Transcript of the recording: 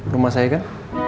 rumah saya kan